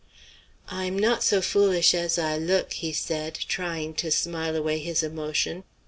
"I'm not so foolish as I look," he said, trying to smile away his emotion.